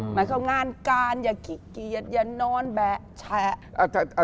หมายความว่างานการอย่าขี้เกียจอย่านอนแบะแฉะ